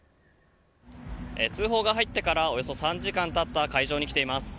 通報が入ってからおよそ３時間たった会場に来ています。